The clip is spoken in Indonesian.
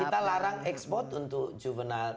ya kita larang ekspor untuk juvenile